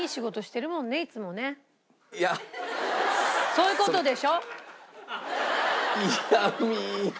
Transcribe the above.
そういう事でしょ？